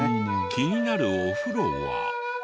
気になるお風呂は。